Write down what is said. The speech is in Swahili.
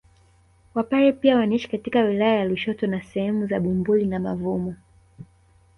Wapare pia wanaishi katika wilaya ya Lushoto na sehemu za Bumbuli na Mavumo